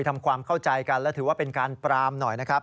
ทำความเข้าใจกันและถือว่าเป็นการปรามหน่อยนะครับ